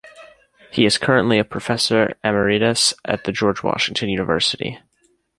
He is currently a professor emeritus at the George Washington University.